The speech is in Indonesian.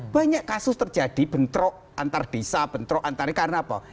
banyak kasus terjadi bentrok antar desa bentrok antar karena apa